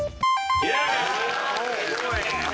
すごい！